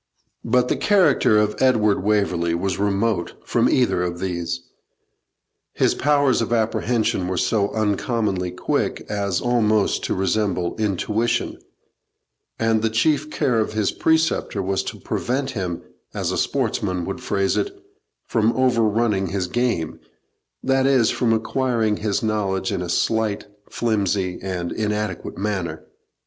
But the character of Edward Waverley was remote from either of these. His powers of apprehension were so uncommonly quick as almost to resemble intuition, and the chief care of his preceptor was to prevent him, as a sportsman would phrase it, from over running his game that is, from acquiring his knowledge in a slight, flimsy, and inadequate manner.